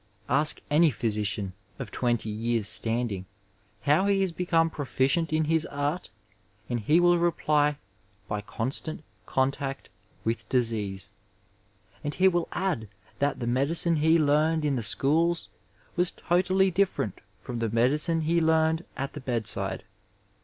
Ask any phjrsidan of twenty years' standing how he has become proficient in his art, and he will reply, by constant contact with disease ; and he will add that the medicine he learned in the schools was totally different from the medicine he learned at the bedside.